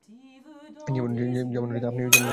যেমন আপনি কতটা হ্যাঁন্ডসাম।